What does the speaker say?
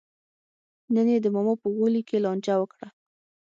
نن یې د ماما په غولي کې لانجه وکړه.